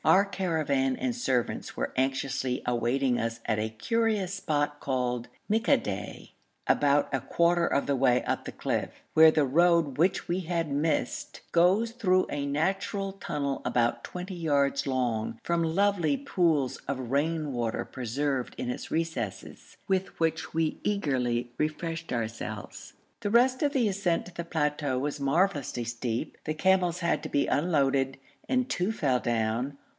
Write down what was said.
Our caravan and servants were anxiously awaiting us at a curious spot called Mikadèh, about a quarter of the way up the cliff, where the road which we had missed goes through a natural tunnel about twenty yards long, from lovely pools of rain water preserved in its recesses, with which we eagerly refreshed ourselves. The rest of the ascent to the plateau was marvellously steep. The camels had to be unloaded, and two fell down.